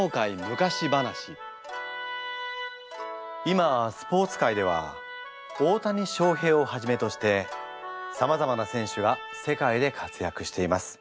今スポーツ界では大谷翔平をはじめとしてさまざまな選手が世界で活躍しています。